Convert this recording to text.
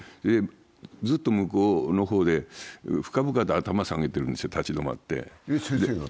ずっと向こうの方で深々と頭下げているんですよ、立ち止まって。